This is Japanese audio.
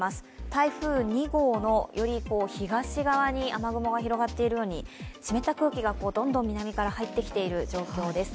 台風２号の、より東側に雨雲が広がっているのに湿った空気がどんどん南から入ってきている状況です。